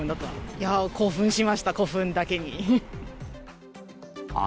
いやー、興奮しました、古墳だけに。